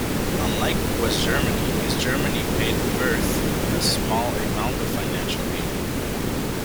Unlike West Germany, East Germany paid Wirth a small amount of financial aid.